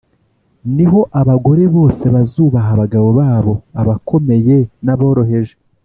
Ni ho abagore bose bazubaha abagabo babo, abakomeye n’aboroheje